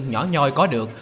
nhỏ nhoi có được